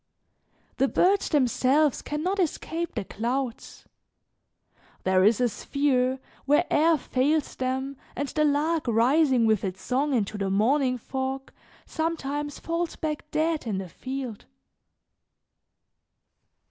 The birds themselves can not escape the clouds; there is a sphere where air fails them and the lark rising with its song into the morning fog, sometimes falls back dead in the field.